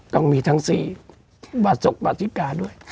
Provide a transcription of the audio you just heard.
ต้องมีทั้งสี่บาศกภาษิกาด้วย